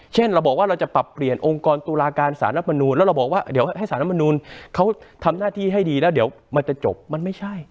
เช่นเราบอกว่าเราจะปรับเปลี่ยนองค์กรตุลาการสารรัฐมนูลแล้วเราบอกว่าเดี๋ยวให้สารรัฐมนูลเขาทำหน้าที่ให้ดีแล้วเดี๋ยวมันจะจบมันไม่ใช่